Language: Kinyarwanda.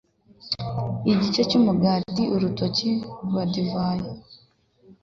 Igice cy'umugati urutoki rwa divayi